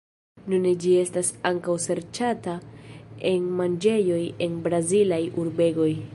Nune ĝi estas ankaŭ serĉata en manĝejoj en Brazilaj urbegoj.